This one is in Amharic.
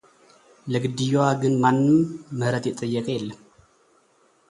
ለግድያዋ ግን ማንም ምህረት የጠየቀ የለም።